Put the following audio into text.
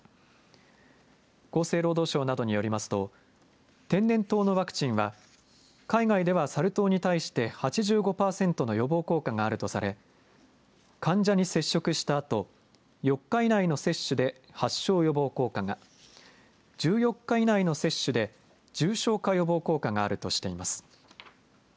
厚生労働省などによりますと天然痘のワクチンは海外ではサル痘に対して８５％の予防効果があるとされ患者に接触したあと４日以内の接種で発症予防効果が、１４日以内の接種で重症化予防効果があるとしています。